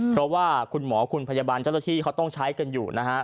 เพราะว่าคุณหมอคุณพยาบาลเจ้าหน้าที่เขาต้องใช้กันอยู่นะฮะ